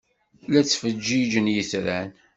La ttfeǧǧiǧen yitran.